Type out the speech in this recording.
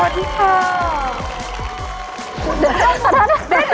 สวัสดีค่ะ